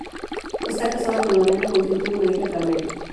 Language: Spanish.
Está casado con Lorena, con quien tuvo una hija, Carmela.